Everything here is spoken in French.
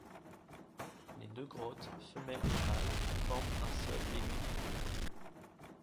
Les deux grottes, femelle et mâle, forment un seul et unique dieu.